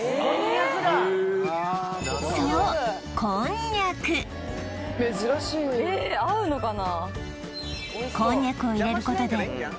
そう珍しいえ合うのかな